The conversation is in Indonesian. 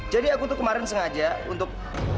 jadi aku tuh kemarin sengaja untuk